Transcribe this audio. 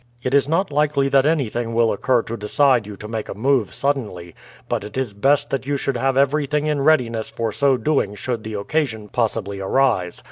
It is not likely that anything will occur to decide you to make a move suddenly, but it is best that you should have everything in readiness for so doing should the occasion possibly arise.